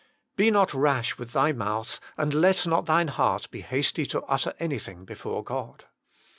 "Be not rash with thy mouth, and let not thine heart be hasty to utter anything before God."